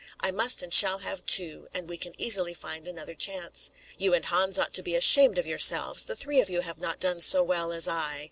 I must and shall have two, and we can easily find another chance. You and Hans ought to be ashamed of yourselves. The three of you have not done so well as I.